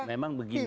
nah memang begini